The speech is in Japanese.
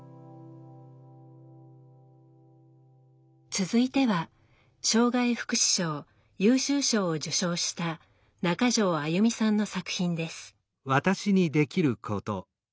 続いては障害福祉賞優秀賞を受賞した中条歩さんの作品です。